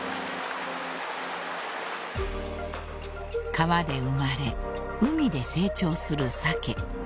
［川で生まれ海で成長するサケ］